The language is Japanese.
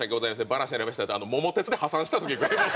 「バラシになりました」って『桃鉄』で破産した時ぐらい。